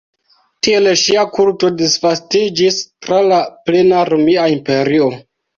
Tiel ŝia kulto disvastiĝis tra la plena Romia imperio.